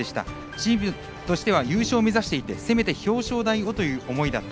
チームとしては優勝を目指していてせめて表彰台をという思いだった。